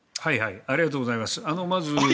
ありがとうございます。